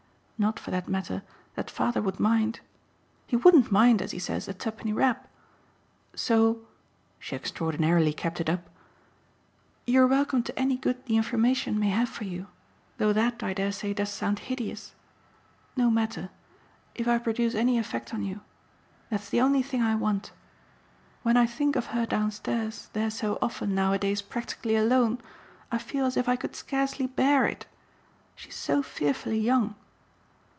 Not, for that matter, that father would mind he wouldn't mind, as he says, a tuppenny rap. So" she extraordinarily kept it up "you're welcome to any good the information may have for you: though that, I dare say, does sound hideous. No matter if I produce any effect on you. That's the only thing I want. When I think of her downstairs there so often nowadays practically alone I feel as if I could scarcely bear it. She's so fearfully young."